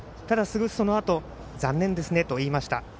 そのあと残念ですねと言いました。